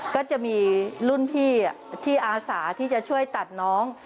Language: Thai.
ก็จะมีรุ่นพี่ที่อาสาที่จะช่วยตัดน้อง